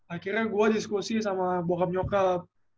akhirnya gue diskusi sama bohab nyokap